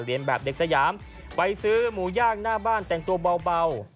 แบบเด็กสยามไปซื้อหมูย่างหน้าบ้านแต่งตัวเบา